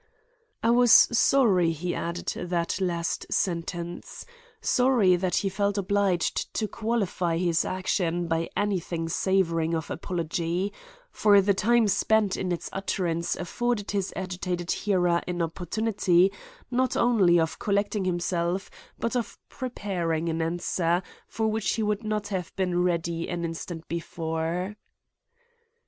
I was sorry he added that last sentence; sorry that he felt obliged to qualify his action by anything savoring of apology; for the time spent in its utterance afforded his agitated hearer an opportunity not only of collecting himself but of preparing an answer for which he would not have been ready an instant before.